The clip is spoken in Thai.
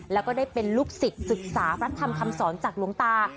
แล้วก็ได้เป็นลูกศิษย์ศึกษาพระธรรมคำสอนจากหลวงตา